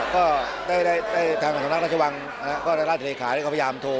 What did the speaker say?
ก็ได้ทางสำนักราชวังก็ได้ราชเศรษฐกรรมก็พยายามโทร